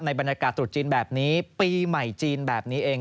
บรรยากาศตรุษจีนแบบนี้ปีใหม่จีนแบบนี้เอง